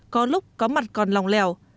có lúc có mặt còn lòng lèo